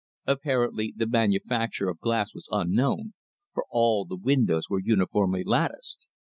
Apparently the manufacture of glass was unknown, for all the windows were uniformly latticed.